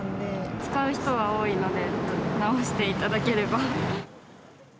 使う人が多いので、直していただければ。